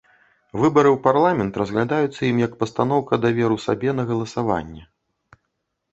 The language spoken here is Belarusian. Выбары ў парламент разглядаюцца ім як пастаноўка даверу сабе на галасаванне.